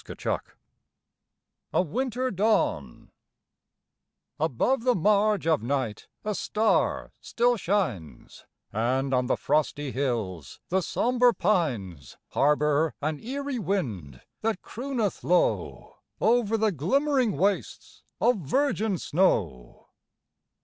84 A WINTER DAWN Above the marge of night a star still shines, And on the frosty hills the sombre pines Harbor an eerie wind that crooneth low Over the glimmering wastes of virgin snow.